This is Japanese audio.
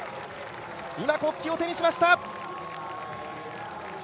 今、国旗を手にしました。